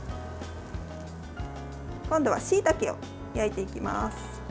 今度はしいたけを焼いていきます。